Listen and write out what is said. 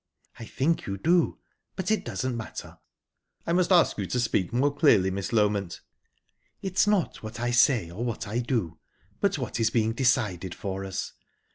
"I think you do, but it doesn't matter." "I must ask you to speak more clearly, Miss Loment." "It is not what I say, or what I do, but what is being decided for us.